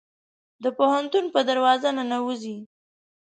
د پوهنتون په دروازه ننوزي